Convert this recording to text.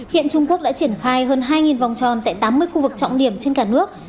hiện trung quốc đã triển khai hơn hai vòng tròn tại tám mươi khu vực trọng điểm trên cả nước